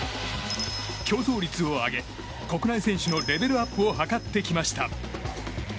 競争率を上げ、国内選手のレベルアップを図ってきました。